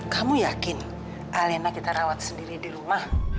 kamu yakin alena kita rawat sendiri di rumah